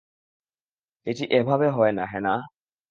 এটা এভাবে হয় না হ্যানাহ।